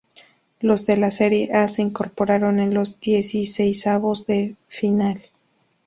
Los de la Serie A se incorporaron en los dieciseisavos de final.